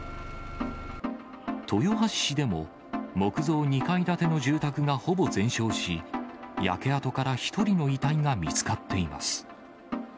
豊橋市でも、木造２階建ての住宅がほぼ全焼し、焼け跡から１人の遺体が見つかっています。